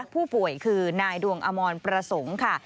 ผู้ป่วยคือนายดวงอมรประสงค์ค่ะ